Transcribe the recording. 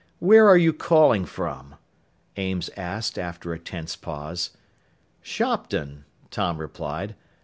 "Where are you calling from?" Ames asked after a tense pause. "Shopton," Tom replied.